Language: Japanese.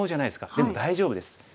でも大丈夫です。